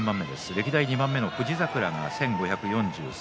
歴代２番目の富士櫻が１５４３。